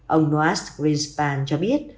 ông noas grinspan cho biết